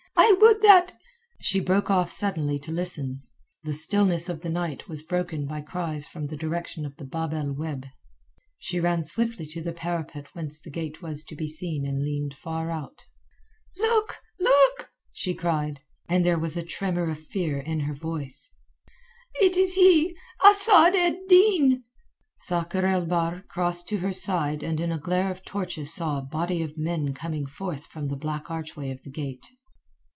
I would that...." She broke off suddenly to listen. The stillness of the night was broken by cries from the direction of the Bab el Oueb. She ran swiftly to the parapet whence the gate was to be seen and leaned far out. "Look, look!" she cried, and there was a tremor of fear in her voice. "It is he—Asad ed Din." Sakr el Bahr crossed to her side and in a glare of torches saw a body of men coming forth from the black archway of the gate.